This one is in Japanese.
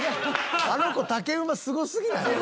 あの子竹馬すごすぎない？